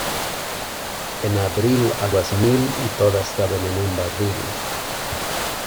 En abril aguas mil y todas caben en un barril.